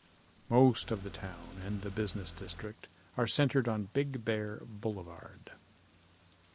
Most of the town and the business district are centered on Big Bear Boulevard.